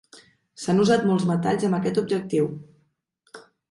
S'han usat molts metalls amb aquest objectiu.